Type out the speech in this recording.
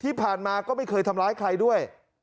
ที่ผ่านมาก็ไม่เคยทำร้ายใครด้วย